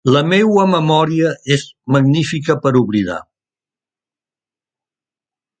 La meua memòria és magnífica per oblidar.